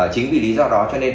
chính vì lý do đó cho nên